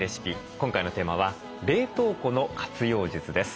今回のテーマは冷凍庫の活用術です。